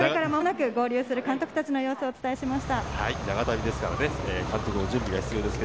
これから間もなく合流する監督たちの様子をお伝えしました。